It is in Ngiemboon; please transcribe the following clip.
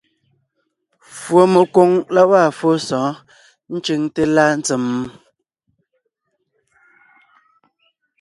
Fùɔmekwoŋ la gwaa fóo sɔ̌ɔn ncʉŋte láa ntsèm?